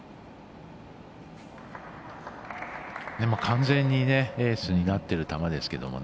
完全にエースになってる球ですけどね。